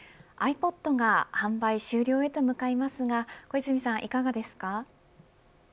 ｉＰｏｄが販売終了へと向かいますがいかがですか。